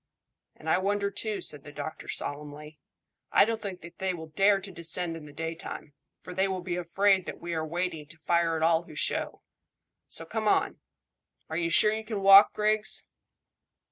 "And I wonder too," said the doctor solemnly. "I don't think that they will dare to descend in the daytime, for they will be afraid that we are waiting to fire at all who show; so come on. Are you sure you can walk, Griggs?"